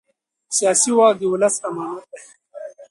سیاسي واک د ولس امانت دی